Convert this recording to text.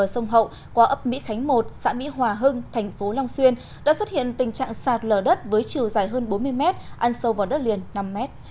sông hậu qua ấp mỹ khánh một xã mỹ hòa hưng thành phố long xuyên đã xuất hiện tình trạng sạt lở đất với chiều dài hơn bốn mươi mét ăn sâu vào đất liền năm mét